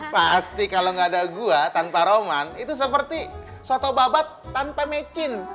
pasti kalo gak ada gue tanpa roman itu seperti soto babat tanpa mecin